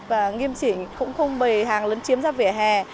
và nghiêm chỉnh cũng không bày hàng lấn chiếm ra vỉa hè